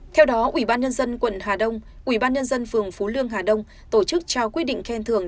theo đó ủy ban nhân dân quận hà đông ủy ban nhân dân phường phú lương hà đông tổ chức trao quyết định khen thường